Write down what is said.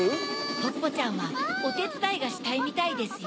ポッポちゃんはおてつだいがしたいみたいですよ。